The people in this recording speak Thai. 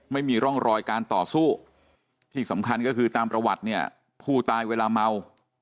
ไม่มีร่องรอยการต่อสู้ที่สำคัญก็คือตามประวัติเนี่ยผู้ตายเวลาเมา